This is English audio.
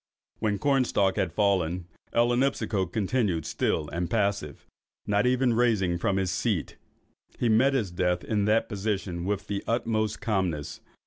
When Cornstalk had fallen, Ellinipsico continued still and passive, not even raising himself from his seat. He met death in that position with the utmost calmness.